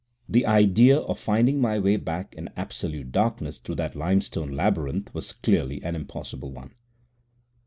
The idea of finding my way back in absolute darkness through that limestone labyrinth was clearly an impossible one.